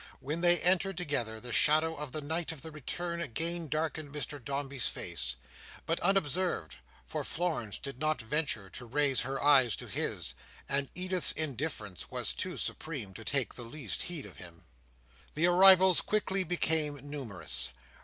When they entered together, the shadow of the night of the return again darkened Mr Dombey's face. But unobserved; for Florence did not venture to raise her eyes to his, and Edith's indifference was too supreme to take the least heed of him. The arrivals quickly became numerous.